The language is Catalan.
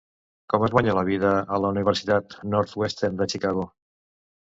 Com es guanya la vida a la Universitat Northwestern de Chicago?